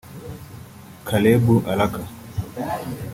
Caleb Alaka